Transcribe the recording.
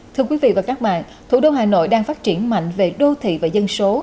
thưa quý vị và các bạn thủ đô hà nội đang phát triển mạnh về đô thị và dân số